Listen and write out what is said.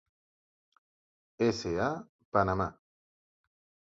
S. A., Panamà.